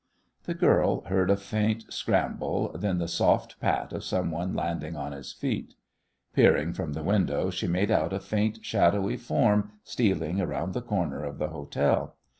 The girl heard a faint scramble, then the soft pat of someone landing on his feet. Peering from the window she made out a faint, shadowy form stealing around the corner of the hotel.